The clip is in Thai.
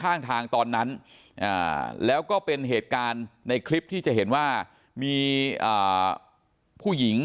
ข้างทางตอนนั้นแล้วก็เป็นเหตุการณ์ในคลิปที่จะเห็นว่ามีผู้หญิง